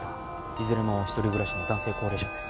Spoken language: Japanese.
いずれも一人暮らしの男性高齢者です。